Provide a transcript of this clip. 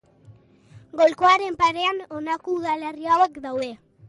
Golkoaren parean, honako udalerri hauek daude.